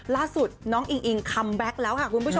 ล่าสุดน้องอิงอิงคัมแบ็คแล้วค่ะคุณผู้ชม